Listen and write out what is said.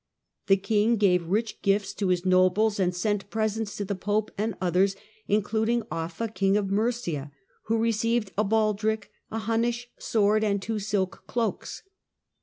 The king gave rich gifts to his nobles and sent presents to the Pope and others, includ ing Offa, king of Mercia, who received " a baldric, a Hunnish sword and two silk cloaks